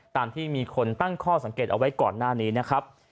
ตามที่มีคนตั้งข้อสังเกตเอาไว้ก่อนหน้านี้นะครับ